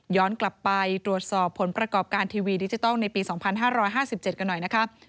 กลับไปตรวจสอบผลประกอบการทีวีดิจิทัลในปี๒๕๕๗กันหน่อยนะคะ